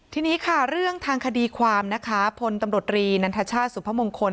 ทีนี้ค่ะเรื่องทางคดีความนะคะพลตำรวจรีนันทชาติสุพมงคล